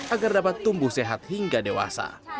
agar dapat tumbuh sehat hingga dewasa